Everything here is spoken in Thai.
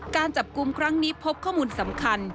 การจับกลุ่มครั้งนี้พบข้อมูลสำคัญ